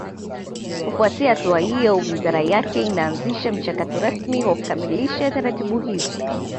kufuatia hatua hiyo wizara yake inaanzisha mchakato rasmi wa kukamilisha taratibu hizo